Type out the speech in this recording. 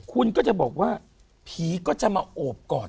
คุณก็จะบอกว่าผีก็จะมาโอบกอด